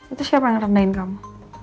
itu siapa yang rendahin kamu